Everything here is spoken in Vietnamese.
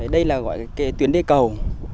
đây là gọi tuyến đề cầu